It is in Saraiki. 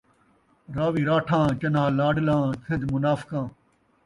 راوی راٹھاں ، چنان٘ہہ لاݙلاں ، سن٘دھ منافقاں